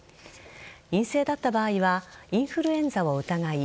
陰性だった場合はインフルエンザを疑い